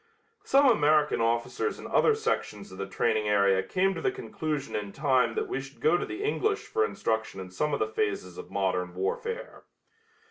Some American officers in other sections of the training area came to the conclusion in time that we should go to the English for instruction in some of the phases of modern warfare.